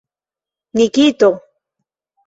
Nikito!